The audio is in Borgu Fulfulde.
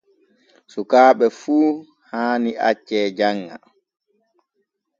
Sukaaɓe fu haani acce janŋa.